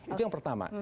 itu yang pertama